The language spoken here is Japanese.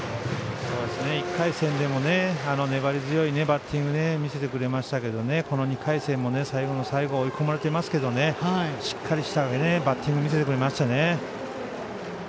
１回戦でも粘り強いバッティングを見せてくれましたけどこの２回戦も最後の最後追い込まれていますけどしっかりしたバッティング見せてくれましたね。